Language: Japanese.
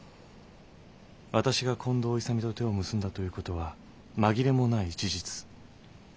私が近藤勇と手を結んだという事は紛れもない事実。